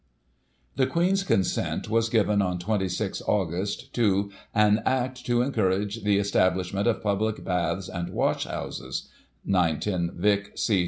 The Queen's consent was given on 26 Aug. to an " Act to Encourage the Establishment of Public Baths and Wash houses (9 10 Vic, c.